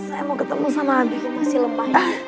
saya mau ketemu sama abi masih lemah ya